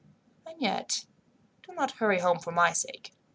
"And yet, do not hurry home for my sake.